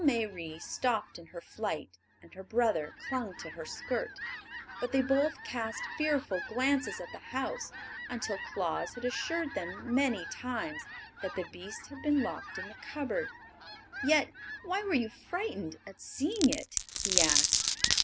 Little Mayrie stopped in her flight and her brother clung to her skirt; but they both cast fearful glances at the house until Claus had assured them many times that the beast had been locked in the cupboard. "Yet why were you frightened at seeing it?" he asked.